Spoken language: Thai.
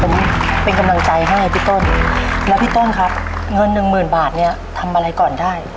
ผมเป็นกำลังใจให้พี่ต้นแล้วพี่ต้นครับเงินหนึ่งหมื่นบาทเนี่ยทำอะไรก่อนได้